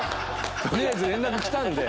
とりあえず連絡来たんで。